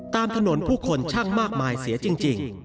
ตามถนนผู้คนช่างมากมายเสียจริง